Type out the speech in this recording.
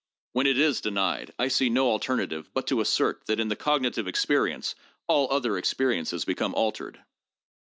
When it is denied, I see no alternative but to assert that in the cognitive experi ence all other experiences become altered.